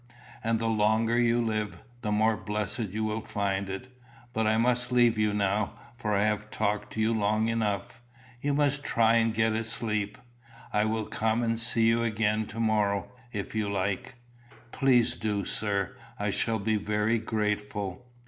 And the longer you live, the more blessed you will find it. But I must leave you now, for I have talked to you long enough. You must try and get a sleep. I will come and see you again to morrow, if you like." "Please do, sir; I shall be very grateful."